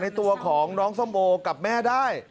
ตัวของน้องส้มโอกับแม่ได้